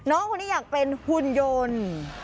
น้องคนนี้อยากเป็นหุ่นยนต์